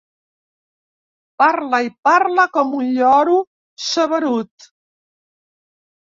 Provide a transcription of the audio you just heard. Parla i parla com un lloro saberut.